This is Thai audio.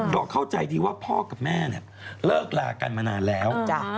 เพราะเข้าใจดีว่าพ่อกับแม่เนี่ยเลิกลากันมานานแล้ว